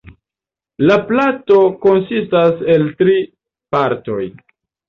La plato konsistas el tri partoj.